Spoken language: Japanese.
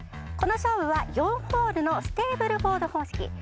この勝負は４ホールのステーブルフォード方式。